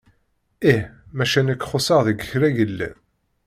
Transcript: Ih macca nekk xuṣeɣ deg kra yellan.